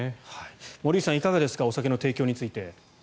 森内さん、いかがですかお酒の提供について。